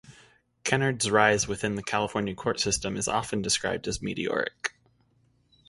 Kennard's rise within the California court system is often described as meteoric.